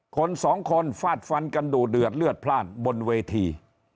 คนสองคนฟาดฟันกันดูเดือดเลือดพลาดบนเวที